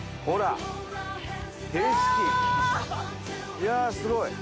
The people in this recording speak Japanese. いやあすごい。